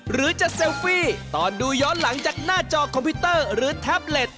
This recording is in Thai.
หรือจะเซลฟี่ตอนดูย้อนหลังจากหน้าจอคอมพิวเตอร์หรือแท็บเล็ต